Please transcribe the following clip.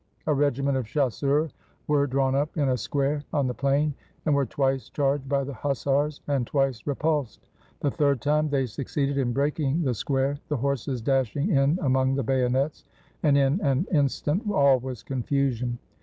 A regiment of chasseurs were drawn up in a square on the plain, and were twice charged by the hussars, and twice repulsed ; the third time they succeeded in breaking the square, the horses dashing in among the bayonets, and in an instant all was confusion.